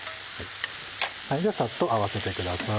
ではサッと合わせてください。